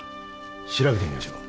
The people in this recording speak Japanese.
調べてみましょう。